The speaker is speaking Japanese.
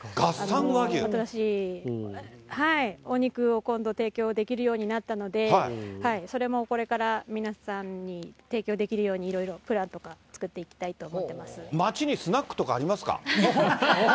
新しいお肉を今度提供できるようになったので、それもこれから皆さんに提供できるようにいろいろプランとか作っていきたいと思っています。